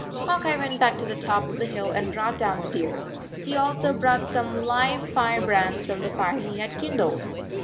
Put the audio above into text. Hawk Eye went back to the top of the hill and brought down the deer. He also brought some live fire brands from the fire he had kindled.